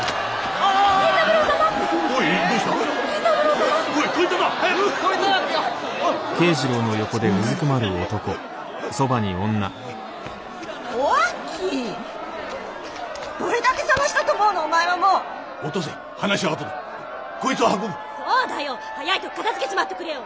早いとこ片づけちまっておくれよ。